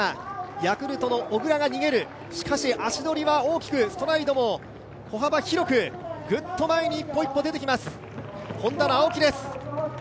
ヤクルトの小椋が逃げる、しかし、足取りは大きく、ストライドも歩幅広くぐっと前に一歩一歩出てきます、Ｈｏｎｄａの青木です。